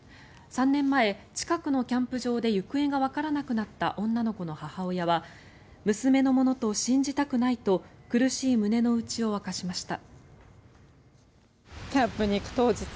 ３年前、近くのキャンプ場で行方がわからなくなった女の子の母親は娘のものと信じたくないと苦しい胸の内を明かしました。